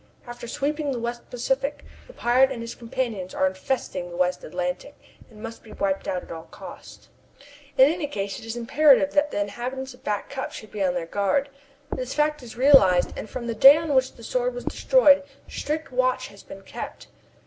After sweeping the West Pacific the pirate and his companions are infesting the West Atlantic, and must be wiped out at all costs. In any case, it is imperative that the inhabitants of Back Cup should be on their guard. This fact is realized, and, from the day on which the Sword was destroyed, strict watch has been kept.